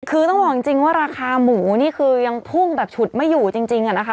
คือต้องบอกจริงว่าราคาหมูนี่คือยังพุ่งแบบฉุดไม่อยู่จริงอะนะคะ